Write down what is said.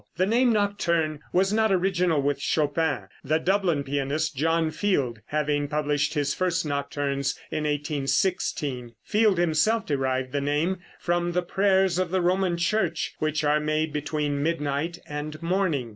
The name "nocturne" was not original with Chopin the Dublin pianist, John Field, having published his first nocturnes in 1816. Field himself derived the name from the prayers of the Roman Church which are made between midnight and morning.